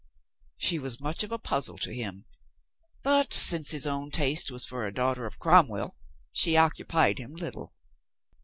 She was much of a puz zle to him, but since his own taste was for a daugh ter of Cromwell, she occupied him little.